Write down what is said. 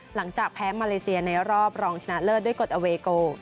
หลังจากแพ้มาเลเซียในรอบรองชนะเลิศด้วยกฎอเวโก